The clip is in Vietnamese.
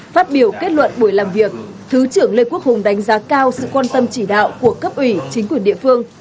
phát biểu kết luận buổi làm việc thứ trưởng lê quốc hùng đánh giá cao sự quan tâm chỉ đạo của cấp ủy chính quyền địa phương